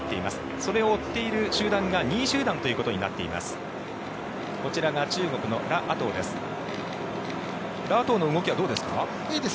それを追っている集団が２位集団となっています。